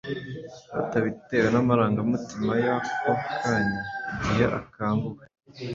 batabitewe n’amarangamutima y’ako kanya igihe akanguwe,